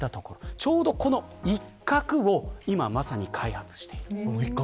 ちょうどこの一角を今まさに開発している。